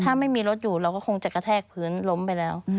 ถ้าไม่มีรถอยู่เราก็คงจะกระแทกพื้นล้มไปแล้ว